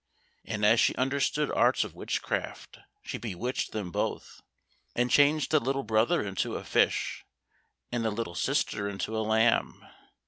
And as she understood arts of witchcraft she bewitched them both, and changed the little brother into a fish, and the little sister into a lamb.